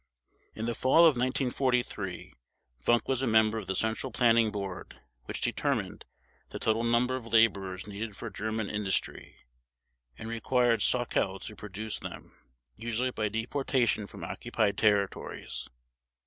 In the fall of 1943 Funk was a member of the Central Planning Board which determined the total number of laborers needed for German industry, and required Sauckel to produce them, usually by deportation from occupied territories.